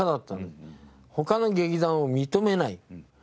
他の劇団を認めない。